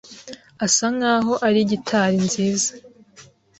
asa nkaho ari gitari nziza.